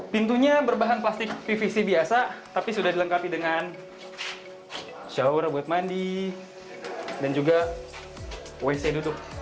pintunya berbahan plastik pvc biasa tapi sudah dilengkapi dengan shower buat mandi dan juga wc duduk